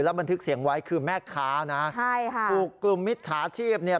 บันทึกเสียงไว้คือแม่ค้านะใช่ค่ะถูกกลุ่มมิจฉาชีพเนี่ย